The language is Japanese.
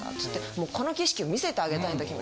もうこの景色を見せてあげたいんだ君に」。